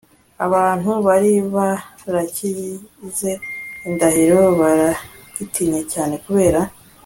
abantu bari barakigize indahiro baragitinyaga cyane kubera